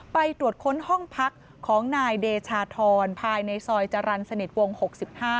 ไปตรวจค้นห้องพักของนายเดชาธรภายในซอยจรรย์สนิทวง๖๕